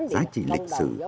giá trị lịch sử